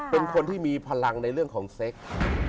เป็นคนที่มีพลังในเรื่องของเซ็ก